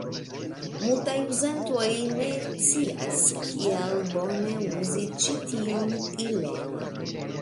Multaj uzantoj ne scias kiel bone uzi ĉi tiun ilon.